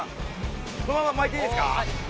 このまま巻いていいですか？